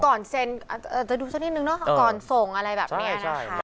ก่อนเซ็นจะดูสักนิดนึงเนอะก่อนส่งอะไรแบบนี้นะคะ